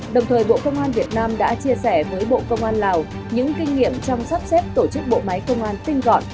đồng thời bộ công an việt nam đã chia sẻ với bộ công an lào những kinh nghiệm trong sắp xếp tổ chức bộ máy công an tinh gọn